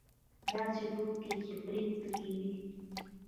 داسې ټوکې چې برید پکې وي.